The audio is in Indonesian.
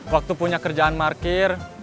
waktu punya kerjaan markir